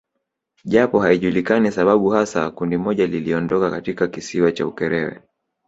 Japo haijulikani sababu hasa kundi moja liliondoka katika kisiwa cha Ukerewe